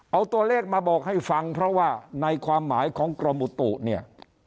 เอาตัวเลขมาบอกให้ฟังเพราะว่าในความหมายของกรมอุตุเนี่ย